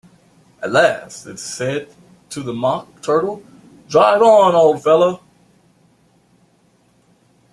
At last it said to the Mock Turtle, ‘Drive on, old fellow!’